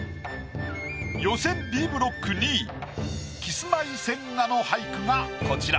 予選Ｂブロック２位キスマイ千賀の俳句がこちら。